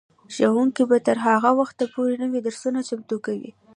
ښوونکي به تر هغه وخته پورې نوي درسونه چمتو کوي.